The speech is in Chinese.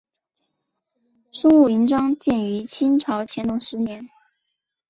松坞云庄建于清朝乾隆十年。